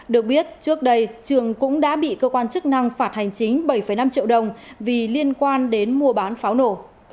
được biết trước đây trường cũng đã bị cơ quan chức năng phạt hành chính bảy năm triệu đồng vì liên quan đến mua bán pháo nổ